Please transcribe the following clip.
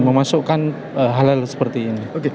memasukkan hal hal seperti ini